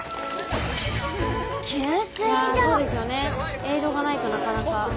エイドがないとなかなか。